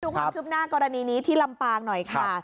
ความคืบหน้ากรณีนี้ที่ลำปางหน่อยค่ะ